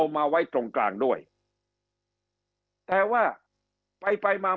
คำอภิปรายของสอสอพักเก้าไกลคนหนึ่ง